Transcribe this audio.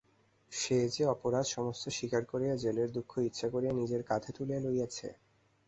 সে যে অপরাধ সমস্ত স্বীকার করিয়া জেলের দুঃখ ইচ্ছা করিয়া নিজের কাঁধে তুলিয়া লইয়াছে।